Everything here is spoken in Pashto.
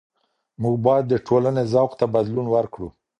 موږ بايد د ټولني ذوق ته بدلون ورکړو.